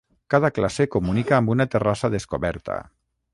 Cada classe comunica amb una terrassa descoberta.